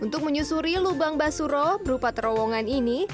untuk menyusuri lubang basuro berupa terowongan ini